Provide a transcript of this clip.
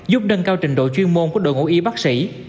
giúp đơn cao trình độ chuyên môn của đội ngũ y bác sĩ